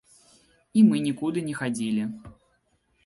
І мы нікуды не хадзілі.